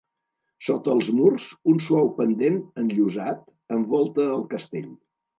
Sota els murs, un suau pendent enllosat envolta el castell.